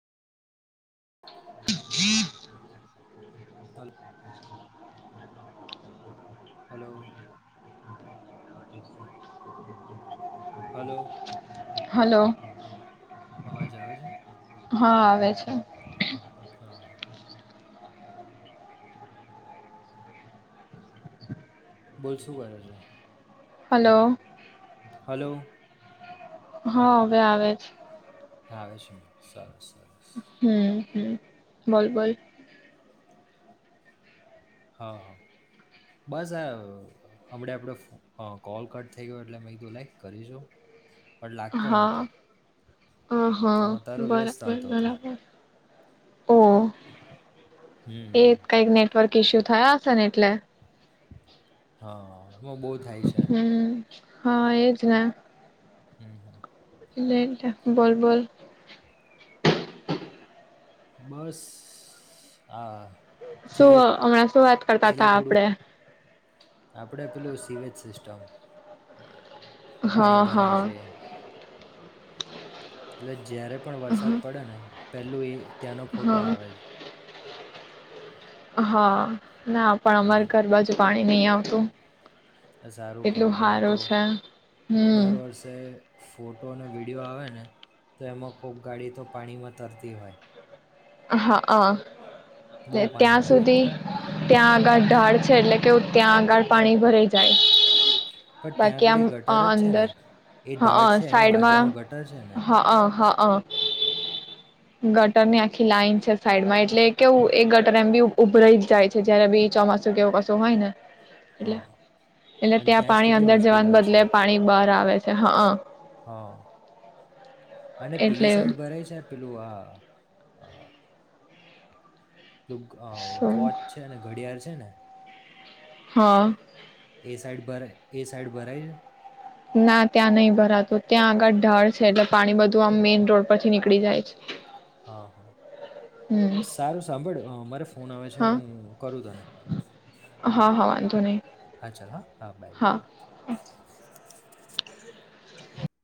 Hello. Hello. Hello. Hello. અવાજ આવે છે? હા આવે છે. હા, હા. બોલ શું કરે છે? હલો. હલો. હા હવે આવે છ. હા આવે છે. સારું, સારું. હમ્મ. હમ્મ બોલ, બોલ. હા હા બસ આ હબળે આપડે હ કોલ કટ થઈ ગયો એટલે મેં કીધું લાઈ કરીશુ. પણ લાગતો નતો હ, હા, બરાબર આવતો હતો બરાબર ઓ એ હમ કઈ ગ ન નેટવર્ક ઇસ્યુ થયા હશે છે ને એટલે હા એમાં બહુ થાય છે હમ હા એજ ને હમ, હમ બોલ બલ બસ, હા, હા શું છેલ્લે હમણાં શું વાત કરતા છેલ્લે તા થોડુંક આપડે જમ હા, હા [unintelligible] જ્યારે પણ વરસાદ હા પડે ને પેલું એ ત્યાંનો ફોટો આવેજ હા ના પણ અમારે હમ ઘર બાજુ પાણી ની આવતું સારું એટલું કેવાય નયતો સારું છે દર હમ વર્ષે ફોટો અને વિ [unintelligible] વિડિયો આવેને તો એમાં કોકગાડી તો પાણીમાં તરતી હોય હ અ બહુ [unintelligible] પાણી ત્યાં ભરાય સુધી ત્યાં ત્યાં આગળ ઢાળ છે એટલે કેવું ત્યાં આગળ પાણી ભરાઈ પણ જાય ત્યાં બાકી આગળ આમ ગટર જ છે અંદર ને એ હા ઢાળ છે એની સાઈડમાં બાજુમાં ગટર છે ને હા અ હા અ ગટર ની આ લાઈન છે સાઈડમાં એટલે કેવું એ ગટર એમ બી ઉભરાઈ જ જાય છે જયારે બી ચોમાસું કેવું કશું હોય ને એટલે, હા એટલે અને ત્યાં જ પાણી કેટલી અંદર જવાને હોસ્પિટલ છે બદલે પાણી બાર આવે છે હા હા અને પેલી સાઈડ ભરાય છે પેલું આ [unintelligible] [unintelligible] વોચ છે અને ઘડિયાળ છેને હા [inaudible] એ સાઈડ ભરાય એ સાઈડ ભરાય ના ત્યાં નય ભરાતું ત્યાં આગળ ઢાળ છે એટલે પાણી બધું આમ મેઈન રોડ પરથી નીકળી જાય છે. હા હા, હમ સારું સાંભળ મારે ફોન આવે છે હા હું કરું તને હા હા વાંધો નહીં હા ચાલ હા હા, બાય બાય હા.